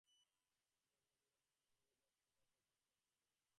আমাদের নিরলসভাবে কাজ করতে হবে।